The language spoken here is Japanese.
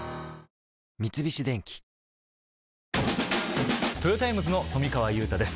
三菱電機トヨタイムズの富川悠太です